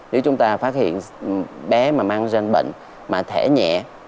nếu chúng ta phát hiện bé mà mang ra bệnh mà thể nhẹ